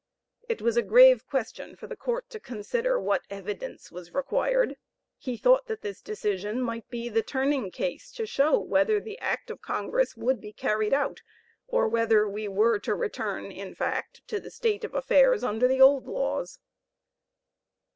It was a grave question for the court to consider what evidence was required. He thought that this decision might be the turning case to show whether the act of Congress would be carried out or whether we were to return in fact to the state of affairs under the old laws.